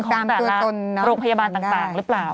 ของแต่ละโรงพยาบาลต่างหรือเปล่า